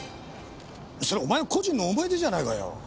それお前の個人の思い出じゃないかよ。